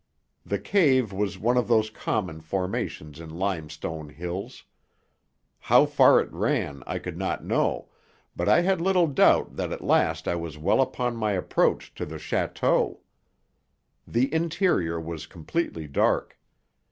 The cave was one of those common formations in limestone hills. How far it ran I could not know, but I had little doubt that at last I was well upon my approach to the château. The interior was completely dark.